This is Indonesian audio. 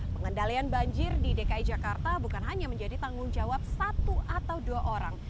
pengendalian banjir di dki jakarta bukan hanya menjadi tanggung jawab satu atau dua orang